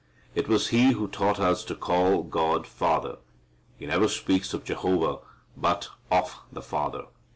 It was He who taught us to call God Father. He never speaks of Jehovah, but of the Father.